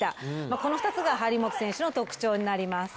この２つが張本選手の特徴になります。